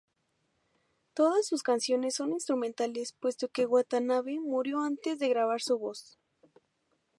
Todas sus canciones son instrumentales puesto que Watanabe murió antes de grabar su voz.